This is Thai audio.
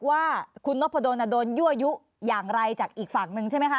ว่าคุณนพดลโดนยั่วยุอย่างไรจากอีกฝั่งหนึ่งใช่ไหมคะ